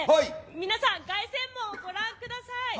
皆さん、凱旋門をご覧ください。